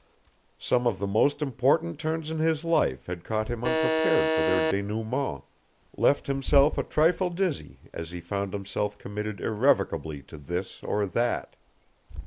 Some of the most important turns in his life had caught him unprepared for their denouement, left him a trifle dizzy as he found himself committed irrevocably to this or that.